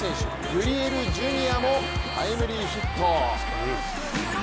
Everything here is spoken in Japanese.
グリエル・ジュニアもタイムリーヒット。